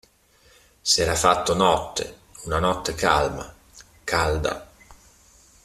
S'era fatto notte, una notte calma, calda.